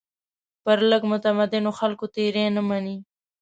پر لږ متمدنو خلکو تېري نه مني.